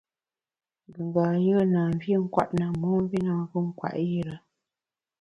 Ngùnga yùe na mvi nkwet na, momvi nankù nkwet yire.